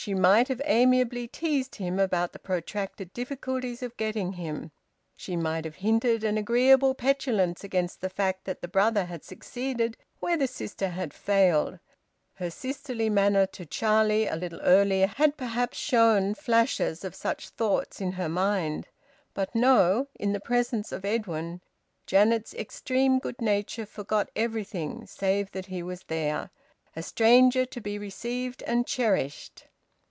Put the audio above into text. She might have amiably teased him about the protracted difficulties of getting him. She might have hinted an agreeable petulance against the fact that the brother had succeeded where the sister had failed. Her sisterly manner to Charlie a little earlier had perhaps shown flashes of such thoughts in her mind. But no. In the presence of Edwin, Janet's extreme good nature forgot everything save that he was there, a stranger to be received and cherished.